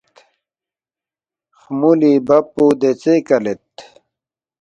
خمُولی بب پو دیژے کلید